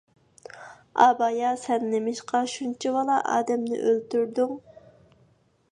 ئابايا سەن نېمىشقا شۇنچىۋالا ئادەمنى ئۆلتۈردۈڭ؟